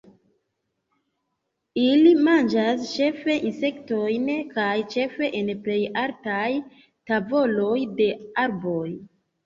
Ili manĝas ĉefe insektojn kaj ĉefe en plej altaj tavoloj de arboj.